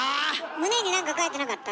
胸に何か書いてなかった？